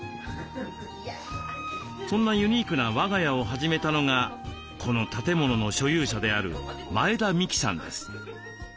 そんなユニークな「和がや」を始めたのがこの建物の所有者である前田美紀さんです。